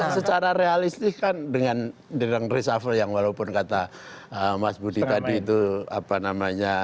secara realistik kan dengan deng deng reshuffle yang walaupun kata mas budi tadi itu apa namanya